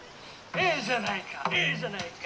「ええじゃないかええじゃないか」